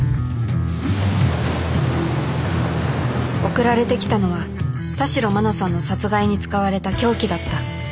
送られてきたのは田代真菜さんの殺害に使われた凶器だった。